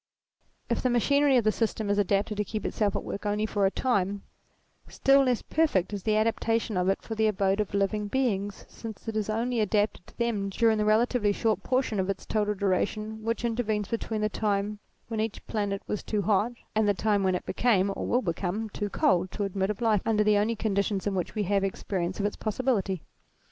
If the machinery of the system is adapted to keep itself at work only for a time, still less perfect is the adaptation of it for the abode of living beings since it is only adapted to them during the relatively short portion of its total duration which in tervenes between the time when each planet was too hot and the time when it became or will become too cold to admit of life under the only conditions in which we have experience of its possibility.